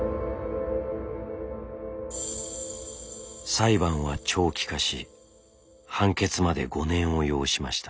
裁判は長期化し判決まで５年を要しました。